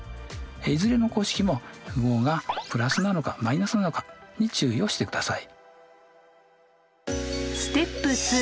いずれの公式も符号がプラスなのかマイナスなのかに注意をしてください。